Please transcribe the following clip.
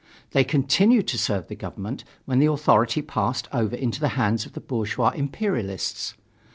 They continued to serve the government when the authority passed over into the hands of the bourgeois imperialists.